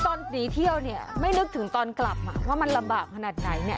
ตอนหนีเที่ยวเนี่ยไม่นึกถึงตอนกลับว่ามันลำบากขนาดไหนเนี่ย